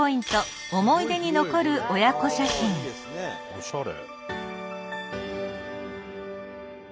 おしゃれ。